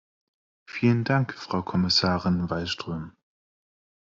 Vielen Dank, Frau Kommissarin Wallström!